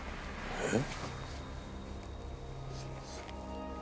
えっ？